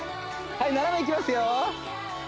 はい斜めいきますよ